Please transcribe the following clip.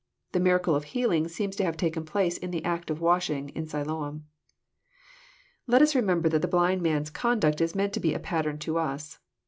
The miracle of healing seems to have taken place in the act of washing in Siloam. Let ns remember that the blind man's conduct is meant to be a pattern to us.